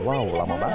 wow lama banget